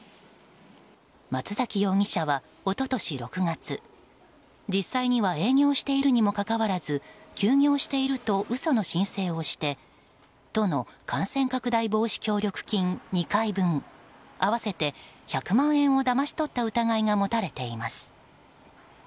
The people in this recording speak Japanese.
松崎容疑者は、一昨年６月実際には営業しているにもかかわらず休業していると嘘の申請をして都の感染拡大防止協力金２回分合わせて１００万円をだまし取った疑いが持たれています。